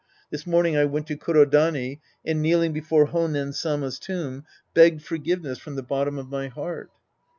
This morning I went to Kuro dani and, kneeling before Honen Sama's tomb, begged forgiveness from the bottom of my heart.